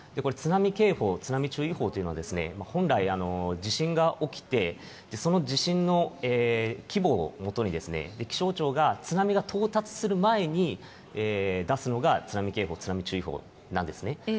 津波警報、津波注意報というのは本来、地震が起きて、その地震の規模を基に気象庁が津波が到達する前に、出すのが津波警報、津波注意報なんですね。